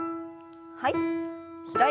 はい。